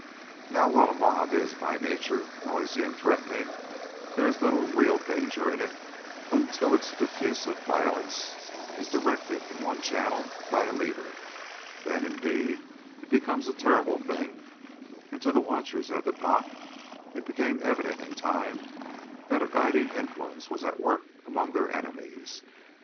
Now, while a mob is by nature noisy and threatening, there is little real danger in it until its diffusive violence is directed into one channel by a leader. Then, indeed, it becomes a terrible thing, and to the watchers at the dock it became evident, in time, that a guiding influence was at work among their enemies.